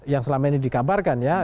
yang selama ini dikabarkan ya